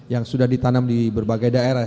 yang sudah ditanam di berbagai daerah